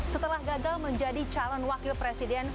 setelah gagal menjadi calon wakil presiden